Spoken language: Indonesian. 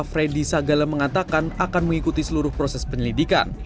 freddy sagala mengatakan akan mengikuti seluruh proses penyelidikan